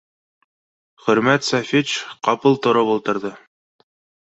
Хөрмәт Сафич ҡапыл тороп ултырҙы